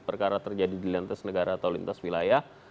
perkara terjadi di lintas negara atau lintas wilayah